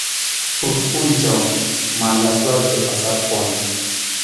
Huk pʼunchaw mala suerte pasarquwan.